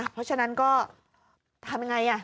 เพราะฉะนั้นก็ทำยังไง